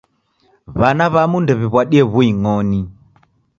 W'ana w'amu ndew'iw'adie w'uing'oni.